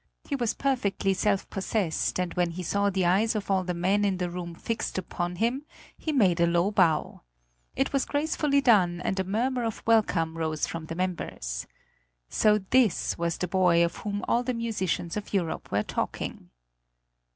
He was perfectly self possessed, and when he saw the eyes of all the men in the room fixed upon him he made a low bow. It was gracefully done, and a murmur of welcome rose from the members. So this was the boy of whom all the musicians of Europe were talking.